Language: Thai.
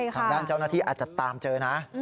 ทางด้านเจ้าหน้าที่อาจจะตามเจอนะ